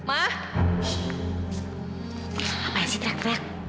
apa ya sih terang terang